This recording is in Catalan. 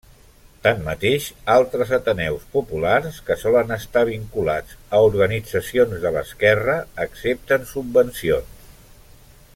Tanmateix, altres ateneus populars, que solen estar vinculats a organitzacions de l'esquerra, accepten subvencions.